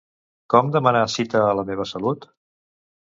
Com demanar cita a La meva salut?